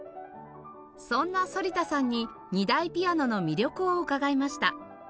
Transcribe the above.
そんな反田さんに２台ピアノの魅力を伺いました